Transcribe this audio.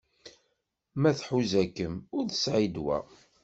Ma tḥuza-kem ur tesɛi ddwa.